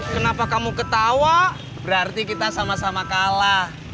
kenapa kamu ketawa berarti kita sama sama kalah